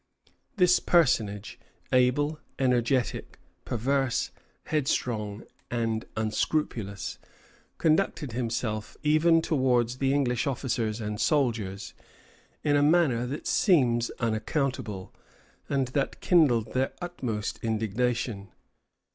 This personage, able, energetic, perverse, headstrong, and unscrupulous, conducted himself, even towards the English officers and soldiers, in a manner that seems unaccountable, and that kindled their utmost indignation.